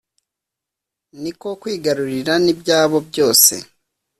niko kwigarurira n'ibyabo byose.